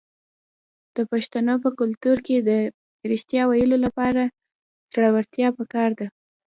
د پښتنو په کلتور کې د ریښتیا ویلو لپاره زړورتیا پکار ده.